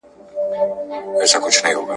د ښار خلکو ته دا لویه تماشه سوه `